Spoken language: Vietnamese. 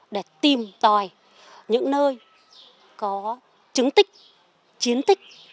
để tìm tòi những nơi có chứng tích chiến tích